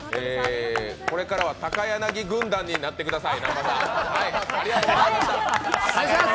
これからは高柳軍団になってください